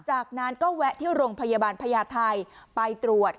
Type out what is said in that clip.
จากนั้นก็แวะที่โรงพยาบาลพญาไทยไปตรวจ